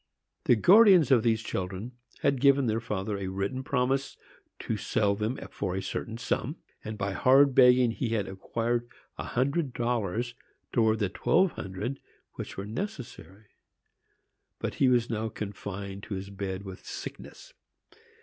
The guardians of these children had given their father a written promise to sell them to him for a certain sum, and by hard begging he had acquired a hundred dollars towards the twelve hundred which were necessary. But he was now confined to his bed with sickness.